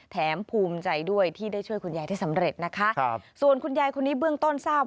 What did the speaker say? ภูมิใจด้วยที่ได้ช่วยคุณยายได้สำเร็จนะคะครับส่วนคุณยายคนนี้เบื้องต้นทราบ